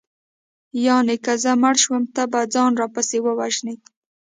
یانې که زه مړه شوم ته به ځان راپسې ووژنې